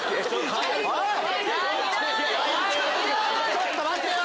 ちょっと待てよ！